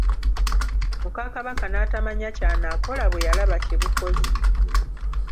Muka Kabaka n'atamanya ky'anaakola bwe yalaba kye bukoze!